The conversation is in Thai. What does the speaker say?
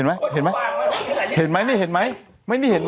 คุณต้องการรายจากสังพงษ์